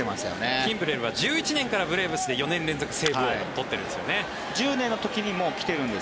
キンブレルは１１年からブレーブスで４年連続セーブ王を取っているんですよね。